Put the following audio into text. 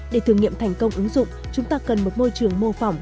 để thử nghiệm thành công ứng dụng chúng ta cần một môi trường mô phỏng